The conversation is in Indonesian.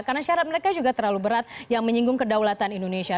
karena syarat mereka juga terlalu berat yang menyinggung kedaulatan indonesia